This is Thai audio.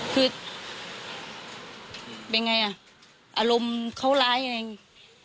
คือเป็นไงอ่ะอารมณ์เขาร้ายยังไง